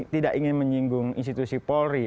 tidak ingin menyinggung institusi polri